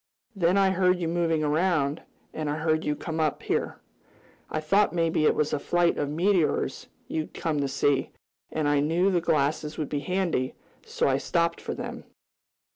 Then I heard you moving around, and I heard you come up here. I thought maybe it was a flight of meteors you'd come to see, and I knew the glasses would be handy, so I stopped for them.